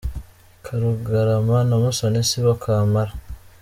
Karugarama na Musoni si bo kamara.